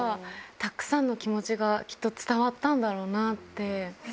たくさんの気持ちがきっと伝わったんだろうなって。